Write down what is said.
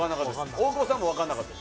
大久保さんも分からなかった。